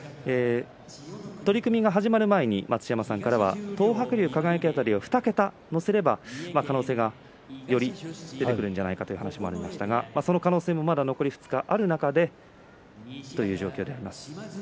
取組が始まる前に待乳山さんからは東白龍、輝辺りは２桁乗せれば可能性が出てくるのではないかという話がありましたがその可能性も残り２日ある中でという状況です。